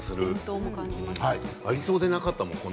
ありそうでなかったよね